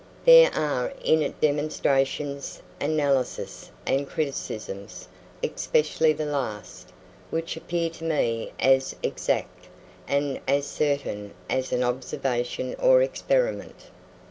There are in it demonstrations, analyses, and criticisms, especially the last, which appear to me as exact and as certain as an observation or experiment.